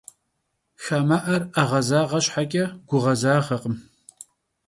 Xame'er 'eğezağe şheç'e, guğezağekhım.